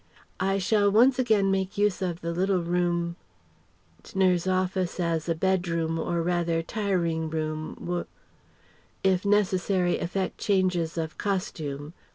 I shall once again make use of the little room tners' office as a bedroom or rather "tiring" room, w if necessary effect changes of costume.